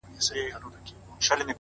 خود دي خالـونه پــه واوښتــل؛